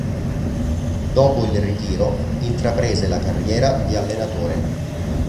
Dopo il ritiro intraprese la carriera di allenatore.